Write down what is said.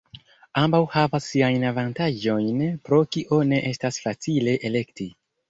Ambaŭ havas siajn avantaĝojn, pro kio ne estas facile elekti.